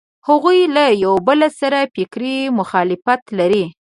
هغوی له یوبل سره فکري مخالفت لري.